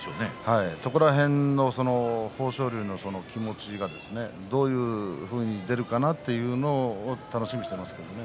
その辺の豊昇龍の気持ちがどういうふうに出るかというのを楽しみにしていますね。